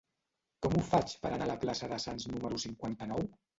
Com ho faig per anar a la plaça de Sants número cinquanta-nou?